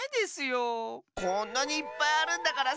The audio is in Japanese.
こんなにいっぱいあるんだからさ。